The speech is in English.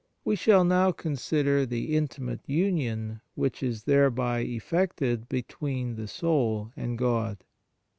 We shall now consider the intimate union which is thereby effected between the soul and God.